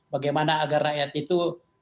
bagaimana agar rakyat itu